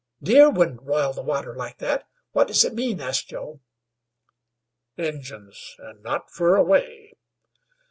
"Deer wouldn't roil the water like that. What does it mean?" asked Joe. "Injuns, an' not fer away."